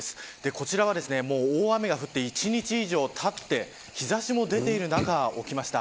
こちらは、大雨が降って１日以上たって日差しも出ている中起きました。